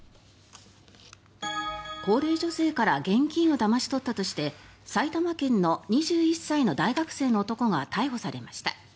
高齢女性から現金をだまし取ったとして埼玉県の２１歳の大学生の男が逮捕されました。